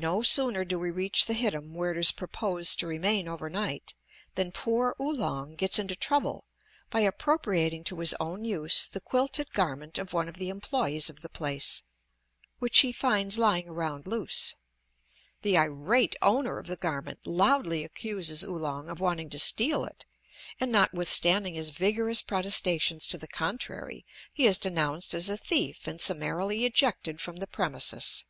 No sooner do we reach the hittim where it is proposed to remain over night than poor Oolong gets into trouble by appropriating to his own use the quilted garment of one of the employes of the place, which he finds lying around loose. The irate owner of the garment loudly accuses Oolong of wanting to steal it, and notwithstanding his vigorous protestations to the contrary he is denounced as a thief and summarily ejected from the premises.